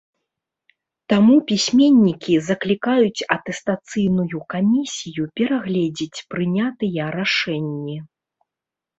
Таму пісьменнікі заклікаюць атэстацыйную камісію перагледзець прынятыя рашэнні.